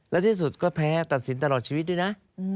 และที่สุดก็แพ้ตัดสินตลอดชีวิตด้วยนะ